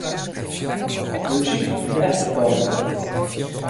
Muzyk efterkant.